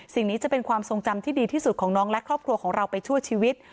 สิ่งนี้จะเป็นความทรงจำที่ดีที่สุดของน้องและครอบครัวของเราไปชั่วชีวิต